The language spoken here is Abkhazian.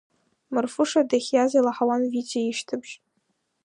Марфуша дахьиаз илаҳауан Витиа ишьҭыбжь.